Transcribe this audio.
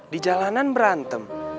di jalanan berantem